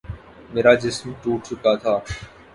میرا جسم ٹوٹ چکا تھا